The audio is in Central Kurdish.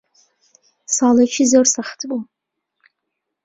ساڵێکی زۆر سەخت بوو.